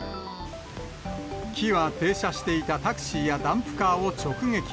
木は停車していたタクシーやダンプカーを直撃。